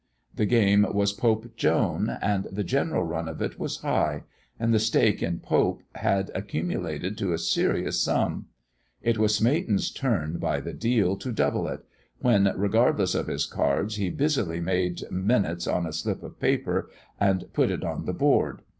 The game was Pope Joan; and the general run of it was high; and the stake in Pope had accumulated to a serious sum. It was Smeaton's turn by the deal to double it; when, regardless of his cards, he busily made minutes on a slip of paper, and put it on the board.